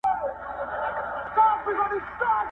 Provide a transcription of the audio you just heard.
تر دې وروسته هرې خوا ته چوکچوکه سوه